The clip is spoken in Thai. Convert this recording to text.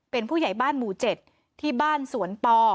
เป็นผู้ใหญ่บ้านหมู่๗ที่บ้านสวนปอ